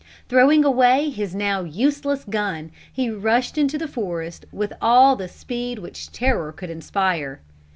Throwing away his now useless gun, he rushed into the forest with all the speed which terror could inspire.